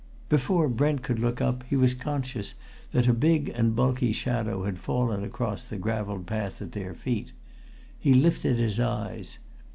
Before Brent could look up, he was conscious that a big and bulky shadow had fallen across the gravelled path at their feet. He lifted his eyes.